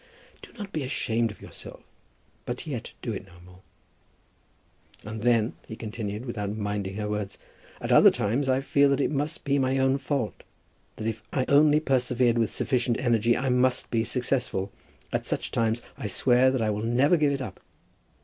"Do not be ashamed of yourself; but yet do it no more." "And then," he continued, without minding her words, "at other times I feel that it must be my own fault; that if I only persevered with sufficient energy I must be successful. At such times I swear that I will never give it up."